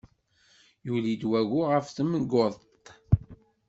Yuli-d wagu ɣef temguḍt.